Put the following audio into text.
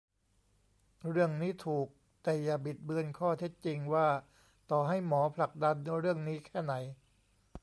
เรื่องนี้ถูก แต่อย่าบิดเบือนข้อเท็จจริงว่าต่อให้หมอผลักดันเรื่องนี้แค่ไหน